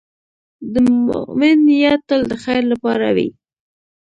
د مؤمن نیت تل د خیر لپاره وي.